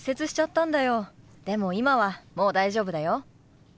でも今はもう大丈夫だよ。